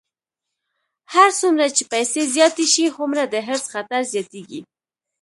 هر څومره چې پیسې زیاتې شي، هومره د حرص خطر زیاتېږي.